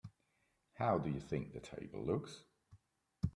How do you think the table looks?